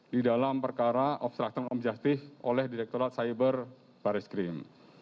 di dalam perkara obstruction of justice oleh direkturat cyber baris krim